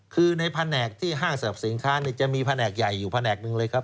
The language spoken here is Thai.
คือในแผนกที่ห้างสรรพสินค้าจะมีแผนกใหญ่อยู่แผนกหนึ่งเลยครับ